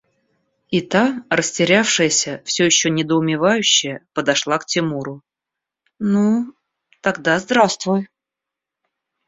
И та, растерявшаяся, все еще недоумевающая, подошла к Тимуру: – Ну… тогда здравствуй…